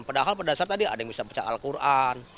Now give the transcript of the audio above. padahal berdasar tadi ada yang bisa baca al quran